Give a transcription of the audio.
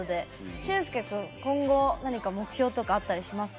しゅんすけ君、今後何か目標とかあったりしますか？